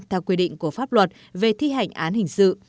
theo quy định của pháp luật về thi hành án hình sự